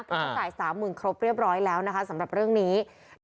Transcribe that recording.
เพราะจ่าย๓๐๐๐ครบเรียบร้อยแล้วนะคะสำหรับเรื่องนี้